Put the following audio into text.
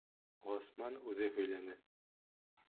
Ғосман үҙе һөйләне.